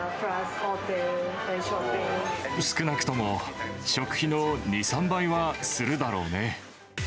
少なくとも食費の２、３倍はするだろうね。